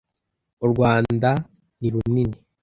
Urwanda nirunini.